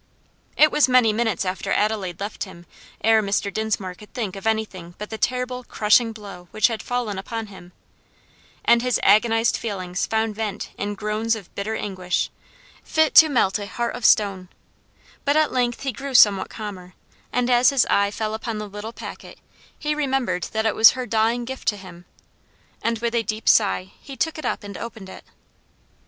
It was many minutes after Adelaide left him ere Mr. Dinsmore could think of anything but the terrible, crushing blow which had fallen upon him, and his agonized feelings found vent in groans of bitter anguish, fit to melt a heart of stone; but at length he grew somewhat calmer; and as his eye fell upon the little packet he remembered that it was her dying gift to him, and with a deep sigh he took it up and opened it.